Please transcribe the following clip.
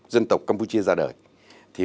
dân tộc campuchia ra đời